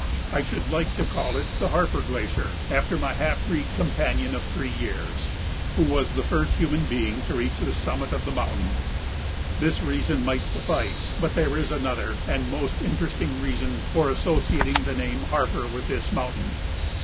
I should like to call it the Harper Glacier, after my half breed companion of three years, who was the first human being to reach the summit of the mountain. This reason might suffice, but there is another and most interesting reason for associating the name Harper with this mountain.